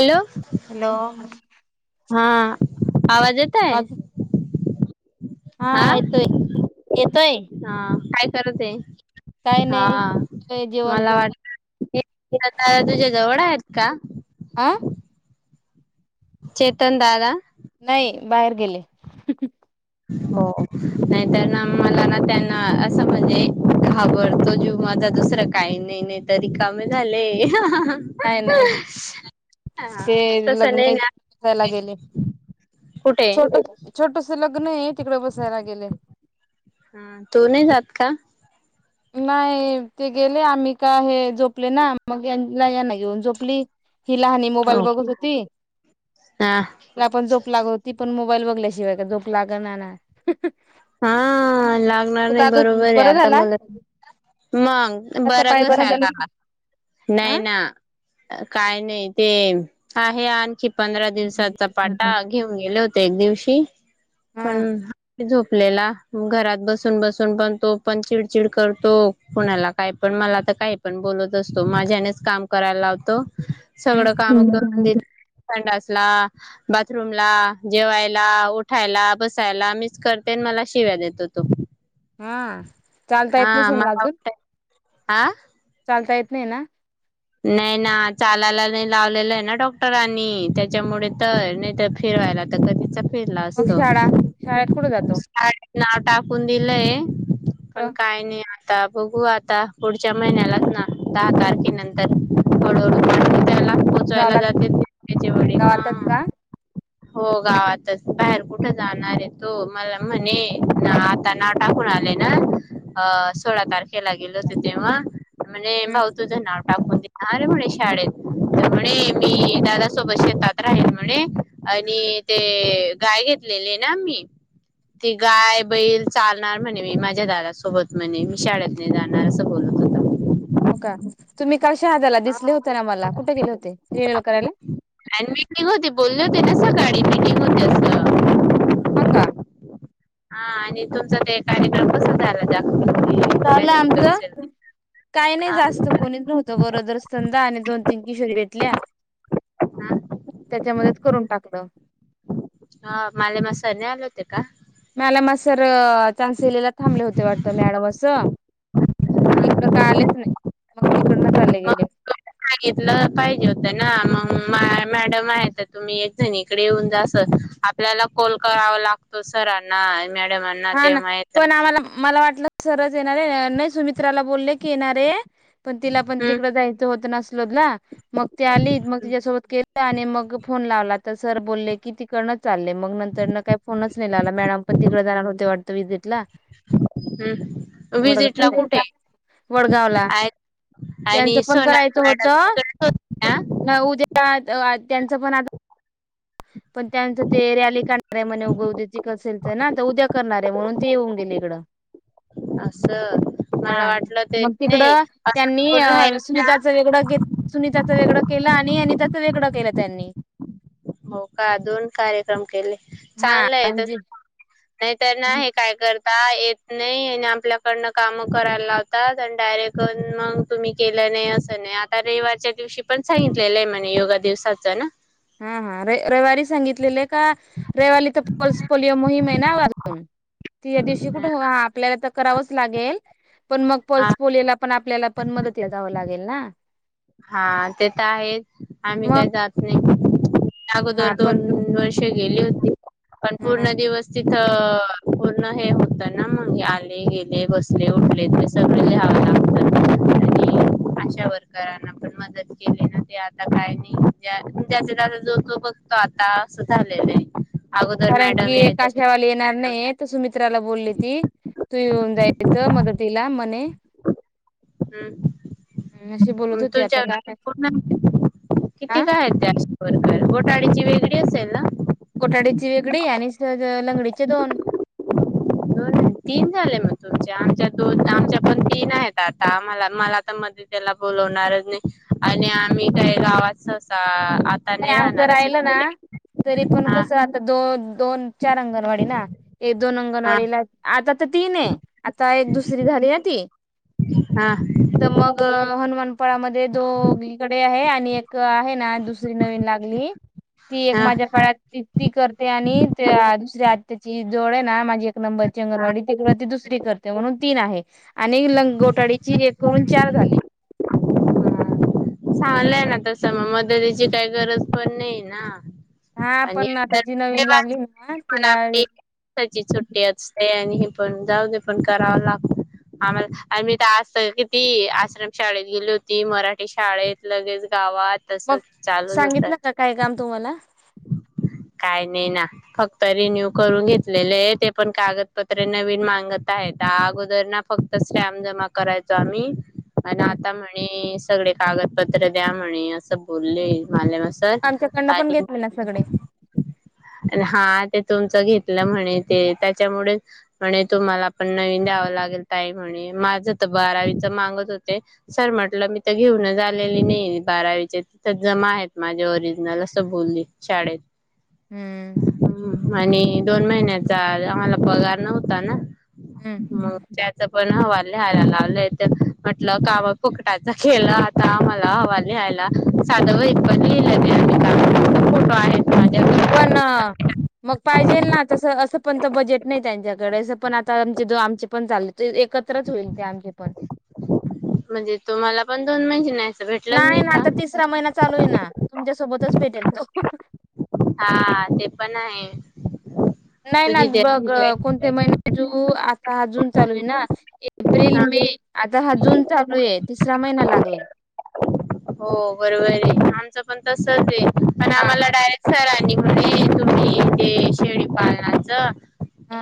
Hello hello हा आवाज येतय आज हा येतोय येतोय करते आहे काय हा नाही जेवण मला करू वाट आता तुझ्या जवळ आहेत का ह चेतन दादा नाही बाहेर गेले हो नाहीतर ना मला ना त्यांना असं म्हणजे घाबरतो जीव माझा दुसरं काही नाही नाही तरी कामी झाले नाही नाही हा ते तस लग्न नाही ना बसायला गेले कुठे छोट छोटस लग्न आहे तिकडे बसायला गेले हा तो नाही जात का नाही ते गेले आम्ही का हे झोपले ना मग यांना याना घेऊन झोपली ही लहानी मोबाईल हा बघत होती मला पण झोप लागत होती पण मोबाईल बघल्याशिवाय का झोप लागना ना हं हा लागणार नाही आता बरोबर आहे बरं आता झाला मला मंग आता बरं पाय बरा झाला कश्याला नाही हा ना काय नाही ते आहे आणखी पंधरा दिवसाचा पाटा घेऊन गेले होते एक दिवशी हा पण झोपते आपल्याला घरात बसून बसून पण तो पण चिडचिड करतो कुणाला काय पण मला काय पण बोलत असतो माझ्यानेच काम करायला लावतो सगड काम करून घे हम्म ला बाथरूम ला जेवायला उठायला बसायला मीच कर तेन मला शिव्या देतो तो हा चालता येत नसल ना अजून आह चालता येत नाही ना नाही ना चालायला नाही लावलेलाय ना डॉक्टरांनी त्याच्यामुडे तर नाही तर फिर फिरायला तर कधीचा फिरला मग असतो शाळा शाळेत कुठे जातो साळेत नाव टाकून दिलंय पण काय नाही अजून बघू आता पुढच्या महिन्यालाच ना दहा तारखे नंतर हळू हळु त्याला पोचावायला गावाला जाते त्याचे वडील हा गावातच का हो गावातच बाहेर कुठे जाणार आहे तो मला म्हणे ना आता नाव टाकू आले ना अ सोळा तारखे ला गेलो होत तेव्हा म्हणे भाऊ हो तुझं नाव टाकून दे अरे म्हणे शाळेत तर म्हणे मी दादा सोबत शेतात राहील म्हणे आणि ते गाय घेत घेतलेले ना मी ती गाय बैल चालणार म्हणे मी माझ्या दादा सोबत म्हणे मी शाळेत नाही जाणार असं बोलत होता का तुम्ही काल शहाधाला दिसले होते ना मला कुठे गेले होते रिन्युअल करायला अ मिटिंग होती बोलले होते ना सकाळी मिटिंग होती अस हा का हा आणि तुमचा ते कार्यक्रम कसा झाला दाख झालं आमच काही नाही हा जास्त कोणीच नव्हतं गरोदर स्कंद आणि दोन तीन किशोरी भेटल्या त्याच्या मधेच करून टाकलं हा माले मास्तर नाही आले होते का माला मास्तर ट्रान्सलीला थांबले होते वाटत मॅडम असं इकडं काय आलेच नाही मग तिकड नच चाले गेले मागितलं पाहिजे होतं ना मग मा मॅडम आहे तर तुम्ही एक जणीकडे येऊन जा अस आपल्याला कोल करावा लागतो सरांना मॅडमांना हा ना तेव्हा येतात पण आम्हाला मला वाटलं सरच येणारे नाही सुमित्राला बोलले की येणारे पण तिला पण तिकड हम्म जायचं होत नासि शोधला मग ते आली मग तिच्यासोबत केलं आणि मग फोन लावला तर सर बोलले की तिकडनच चालले मग नंतर न काही फोनच नाही लावला मॅडम पण तिकडे जाणार होती ते वाटत विजिट ला हम्म विजिट ला कुठे वडगाव ला त्यांचं आणि पण सोनाली करायचं मॅडम होत तिकडेच होत्या उद्या त्यांचं पण आता पण त्यानंतर ते रॅली काढणार आहे म्हणे उगवची कसेेल ना तर उद्या करणारे म्हणून ते येऊन गेले इकडं ना असं मला हा वाटलं ते मग नाही तिकडं त्यांनी असं अ राहील सुविधा वेगळ सुनीताच वेगळं केला आणि आणि त्याच वेगळां केला त्यांनी हो का दोन कार्यक्रम केले हा चांगले आहे तस म्हणजे नाही तर ना हे काय करता येत नाही आणि आपल्याकडन काम करायला लावतात आणि डायरेक्ट मग तुम्ही केल्या नाही असं नाही आता रविवारच्या दिवशी पण सांगितलेलं आहे म्हणे योगा दिवसाच ना हा हा र रविवारी सांगितलेले आहे का रविवारी तर पल्स पोलिओ मोहीम आहे त या दिवशी कुठे आपल्याला तर करावंच लागेल पण मग हा पल्स पोलिओ पण आपल्याला पण मदतीला जावं लागेल ना हा ते तर आहे आम्ही मग काही जात नाही हा अगोदर पण दोन वर्षे गेली होती पण हा पूर्ण दिवस तिथं पूर्ण हे होत ना मगे आले गेले बसले उठले ते सगळे घ्याव लागतात आणि अशा वर्करांना पण मदत केली ना ते आता काय नाही ज्याचं त्याचं जो तो बघतो आता असं झालेलं आहे अगोदर कारण की मॅडम यायच्या एकाशावाला येणार नाही तर सुमित्राला ब बोलली ती तू येऊन जायच मदतीला म्हणे अशी बोलत हम् होती आता तुझ्या काय को हा किती काय आहे त्याच बरोबर घोटाळेची वेगळी असेल ना कोठाडीची वेगळी आहे लंगडीचे दोन तुमच्या आमच्या दोन हा आमच्या पण तीन आहेत आता मला मला तर मदतीला बोलवणारच नाही आणि आम्ही काय गावातअसा नाही आमच राहिलं ना तरी पण हा कसं आता दोन दोन चार अंगणवाडी ना दोन हा अंगणवाडीला आता तर तीन आहे आता एक दुसरी झाली ना ती हम् तर मग हनुमानपळामध्ये दो इकडे आहे आणि एक आहे ना दुसर नवीन लागली ती एक हा माझ्या काळात ती करते आणित्या दुसऱ्या आज त्याची जवळ आहे ना माझी एक नंबरची अंगणवाडी तिकड ती दुसरी ते म्हणून तीन आहे आणि लंगोटेडीची एक करून चार झाली हा चांगलंय ना तस मग मदतीची काही गरज पण नाही ना हा आणि पण आता त्यात जी नवीन रविवार लागली ना ची तिला आपली एक दिवसाची सुट्टी असते हे पण जाऊ दे पण करावं लागत आम्हाला मी आ किती आश्रम शाळेत गेली होती मराठी श शाळेत लगेच गावात तस मग चालूच सांगितलं का काय काम असतंय तुम्हाला काय नाही ना फक्त रिन्यू करून घेतलेले आहे ते पण कागदपत्र नवीन मागत आहे अगोदर ना फक्त स्टॅम जमा करायचो आम्ही आणि आता म्हणे सगळे कागदपत्र द्या म्हणे असं बोलले माले मसर आमच्याकडनं पण आणि घेतले ना सगळे हा ते तुमच घेतलं म्हणे ते त्याच्यामुळेच म्हणे तुम्हाला पण नवीन द्याव लाग लागत आहे म्हणे माझ तर बारावीच मागत होते सर म्हटलं मी तर घेऊनच आलेली नाही बारावीचे तिथ जमा आहेत माझे ओरिजनल असं बोलली शाळेत हम्म हम् आणि दोन महिन्याचा आम्हाला पगार नव्हता ना हम्म मग त्याचा पण हवाल लिहायला लावले तर म्हटलं काम फुकटातच केलं आता मला हवाल लिहायला म्हणलं साधं वहीत पण लिहलं न्हाय आम्ही काय पण मग पाहिजेल ना? तसं, असं पण बजेट नाही, त्यांच्याकडे, पण आता. जो, आमचे पण चालले. एकत्रच होईल, ते आमचे पण. म्हणजे? तुम्हाला पण दोन मैशी नाही. नाही ना! का? आता, तिसरा महिना चालू आहे ना, तुमच्यासोबतच भेटेल तो. हा, ते पण आहे. नाही ना! तुझी दे बघ, कोणते महिने जू? आता, हा जून चालू आहे ना, एप्रिल, हा मे आता हा जून चालू आहे, तिसरा महिना लागला. हो, बरोबर आहे रे. आमचं पण तसच आहे, पण हा आम्हाला डायरेक्ट सरांनी तुम्ही, तुम्ही ते शेळीपालनाचं,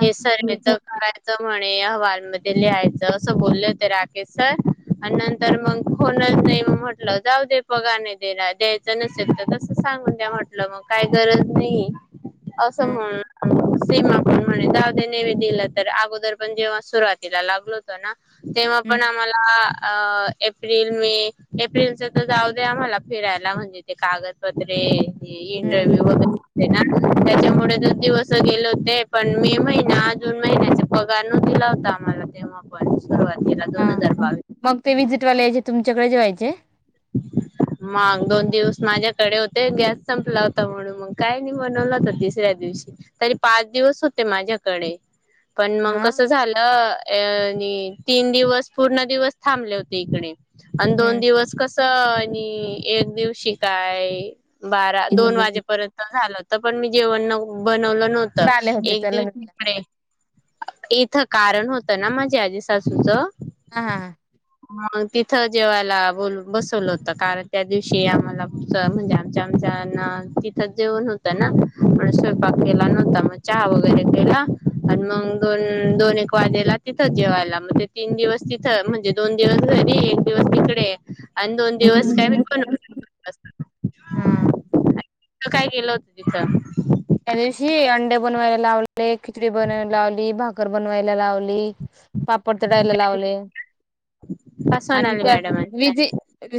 हे सर्वेचं करायचं म्हण. ते, अहवालमध्ये लिहायचं, असं बोललं होते राकेश सर? आणि, नंतर मग, कोणाच नाही. मग म्हटलं. जाऊ दे, पगार नाही द्यायला. द्यायचं नसेल, तर तसं सांगून द्या म्हटलं, मग काही गरज नाही. असं म्हणलीस. सीमा पण म्हणे, जावू दे. नेहमी दिलं तर, अगोदर पण जेव्हा सुरुवातीला लागलो होत ना. तेव्हा हम्म पण आम्हाला, एप्रिल मे एप्रिल. जाऊ दे आम्हाला फिरायला, म्हणजे ते कागदपत्रे हम्म इंटरव्ह्यू वगैरे असते ना! त्याच्यामुळे, दोन दिवस गेले होते. पण मे महिना, जून महिन्याचा पगार न दिला होता. मला, तेव्हा पण. सुरुवातीला हा दोन हजार बावीस मग ते विजिटवाले यायचे तुमच्याकडे जेवायचे? मग दोन दिवस माझ्याकडे होते, गॅस संपला होता, म्हणून. मग काय नाही बनवलं होतं, तिसऱ्या दिवशी तरी पाच दिवस होते माझ्याकडे. पण मग हा कसं झालं? अ तीन दिवस पूर्ण दिवस थांबले होते, इकडे. आणि दोन हम्म दिवस कसं? आणि एक दिवशी काय? बारा दोन इकडे वाजेपर्यंत झालं होत, पण मी जेवण. [unintelligible] आले होते एक त्या दिवस लग्नाला इकडे. [unintelligible] कारण होतं ना! माझ्या आजी सासूचं. हा हा हा. म्हणून तिथं जेवायला बोलवू. बसवलं होत, कारण त्या दिवशी आम्हाला म्हणजे आमच्या आमच्या तिथं जेवण होतं ना. आणि स्वयंपाक केला नव्हता मग चहा वगैरे केला आणि मग दोन, दोन एक वाज गेला तिथं जेवायला म्हणजे तीन दिवस तिथ म्हणजे दोन दिवस घरी एक दिवस तिकडे. आणि दोन दिवस काय हा हा [unintelligible] काय केलं होतं तिथं? त्यादिवशी आ डे बनवायला लावले, खिचडी बनवायला लावली भाकर बनवायला लावली. पापड तळायला लावले. का आणि सोनाली त्यात मॅडम विजि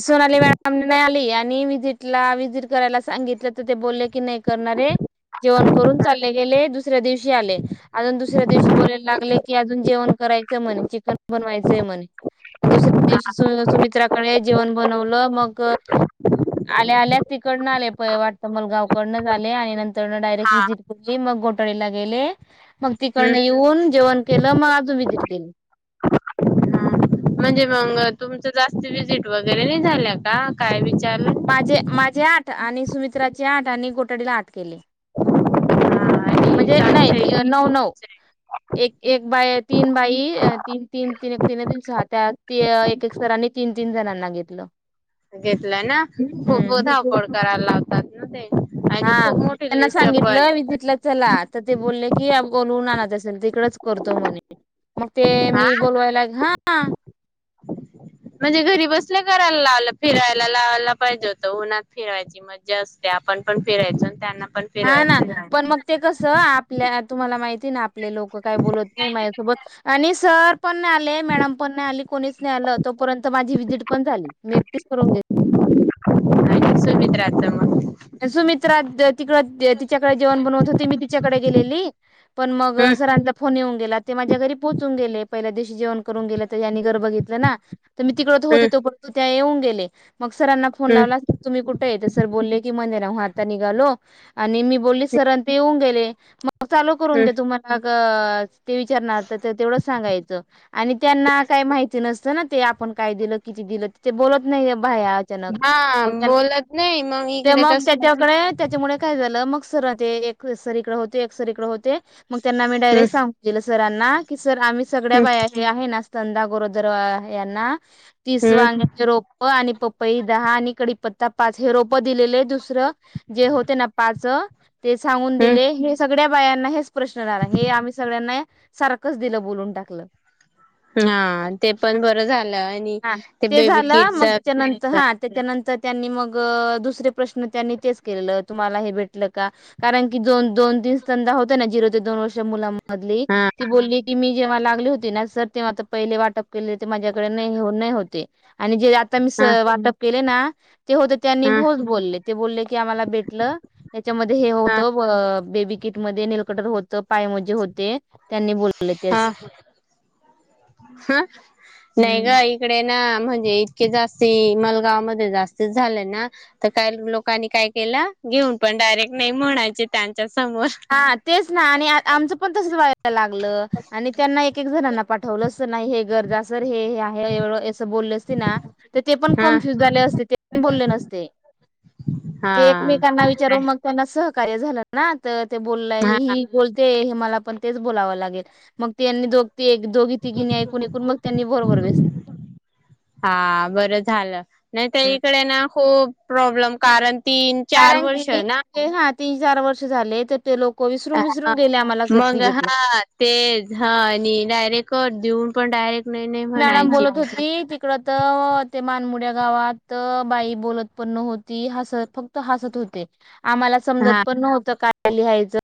सोनाली मॅडम नय आली आणि मी विजिटला विजिट करायला सांगितलं तर ते बोलले की, नाही करणारे. जेवण करून चालले गेले, दुसऱ्या दिवशी आले. अजून दुसऱ्या दिवशी बोलायला लागले की, अजून जेवण कराय. चिकन बनवायचय म्हणे, दुसरे दिवशी सुमित्राकडे. जेवण बनवलं, मग. आल्या आल्या तिकडनं आले प वाटतं मलगावकडनंच आले आणि नंतर डायरेक्ट व्हिजिट केली, मग घोटाळीला गेले. मग तिकडन हम् येऊन जेवण केलं मग अजून विजिट केली. म्हणजे मग? तुमच जास्त विजिट वगैरे नाही झाल्या का? काय विचार. माझे, माझे आठ आणि सुमित्राचे आठ आणि गोटडीला आठ केले. हा इ.. ऑ? एक-एक बाई, तीन बाई, तीन तीन. तीन एक तीन दूने सहा, त्या एक एक सरांने तीन. तीन-तीन जणांना घेतलं. घेतलंय ना? खूप हम्म धावपळ करायला लावतात ना ते. आणि हा खूप मोठी त्यांना लिस्ट पण सांगितलं विजिटला चला. तर ते बोलले की, बोलून आणत असेल तिकडच करतो म्हणे. मग ते हा मी बोलवायला हा. म्हणजे घरी बसल्या करायला लाव फिरायला लावायला पाहिजे होतं, उन्हात फिरायची मज असत्या. आपण पण फिरायच त्यांना. पण हा ना फिरवायचं पण मग ते कसं आपल्या तुम्हाला माहिती ना. आपले लोक काय बोलत नाही माझ्यासोबत आणि. सर पण नाही आले मॅडम पण नाही आली कोणीच नाही आलं तोपर्यंत माझी व्हिजिट पण झाली मी एकटीस करून घेत. आणिस मित्रचा मग. सुमित्रा तिकड तिच्याकडे जेवण बनवत होते मी तिच्याकडे गेलेली पण मग. हम्म सरांचा फोन येऊन गेला ते माझ्या घरी पोहोचून गेले पहिल्या देशी जेवण करून गेले तर त्यां गर ब घेतलं ना तर मी तिकड तर हम्म होते. येऊन गेले मग सरांना फोन हम्म लावलार तुम्ही कुठे य सर बोलले. हा आता निघालो आणि मी बोलो सरआणि ते येऊन गेले. चालू करून दे हम्म तुम्हाला ते विचारणार तेवढंच सांगायचं आणि त्यांना काय माहिती नसत. य ना ते आपण काय दिलं किती दिलं ते बोलत. नाही बा्या अचानक हा मग त्यांना. बोलत नाही मग ते इकडे मग तस त्याच्याकडे त्याच्यामुळे काय झालं मग सरा ते एक सर इकड होते एक सर इकड होते मग त्यांना मी हम्म डायरेक्ट सांगितलेलं सरांना की सर आम्ही सगळ्या हम्म बाया बिया हे आहे ना चंदा गोरोदर यांना तीस हम्म वांग्याचे रोप प आणि पपई दहा आणि कडी पत्ता पाच हे रोप प दिलेलं दुसर जे होते ना पाच ते सागून हम्म दिलय हे सग बायांना हेच प्रश्न रा हे आम्ही सगळ्यांना सारखंच दिलं बोलून टाकलं. ह हा ते पण बरं हम्म झालं आणि हा ते बेबी झालं किडच मग त्याच्यानंतर हा त्याच्यानंतर त्यांनी मग दुसरे प्रश्न त्यांनी तेच केलेलं तुम्हाला हे भेटलं का कारण की दोन दोन दिस त्यांचं होत ना जी दोन वर्षे मुलांमधली हा ती बोलली की मी तेव्हा लागली होती ना सर तेव्हा आता पहिले वाटप केले ते माझ्याकडे नाही येऊन नाही होते आणि जे आ आता मी स् हा वाटप केले ना ते होते हा हो बोलले ते बोलले की आम्हाला भेटल त्याच्यामध्ये हे हा होतं व बेबी किट मध्ये नीलकटर होत. पाय मोजे होते त्यांनी बोलेले हा तेच हा नाही हम्म का इकडे म्हणजे इतके जास्ती मलगाव म जास्ती झाले ना तर काही लोकांनी काय केल ल्या घेऊन पण डायरेक्ट नाही म्हणायच त्यांच्या समोर हा तेच ना आणि आमचं पण तस वा लागलं आणि त्यांना एक एक जणांना पाठवलं अस नाही हे गरज सर हे हे आहे एवढ अस बोलले ते पण हा कन्फ्युज झाले असते ते पण बोलले नसते हा ते एकमेकांना विचारून मग त्यांना सहकार्य झाल्यात ना तर ते बोला हे हा ही बोलते मला पण तेच बोलावं लागेलं मग त्येनी दोग ती एक दोघी ति गिन ऐकून एकऐकून मग त्यांनी बरोबर बेस हा बर झालं नाही त्या इकडे ना खूप प्रॉब्लेम कारण तीन चार कारण वर्ष ना की हा तीन चार वर्ष झाले तर ते लोक विसरून विसरून गेले आम्हाला कधी मग भेटला. हा तेज हा आणि डायरेक देऊ पण डायरेक्ट नाही नाही मॅडम म्हणायची बोलत होती तिकड तर ते मानमुड्या गावात बाई बोलत पण न्हती हसत फक्त हसत होते आम्हाला समजत हा पण नव्हतं काय लिहायचं.